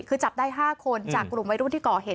คือจับได้๕คนจากกลุ่มวัยรุ่นที่ก่อเหตุ